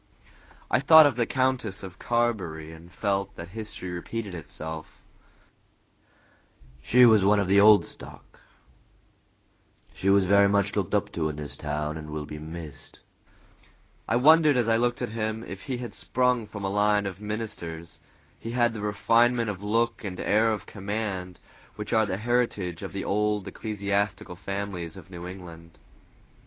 I thought of the Countess of Carberry, and felt that history repeated itself. "She was one of the old stock," continued Captain Littlepage, with touching sincerity. "She was very much looked up to in this town, and will be missed." I wondered, as I looked at him, if he had sprung from a line of ministers; he had the refinement of look and air of command which are the heritage of the old ecclesiastical families of New England.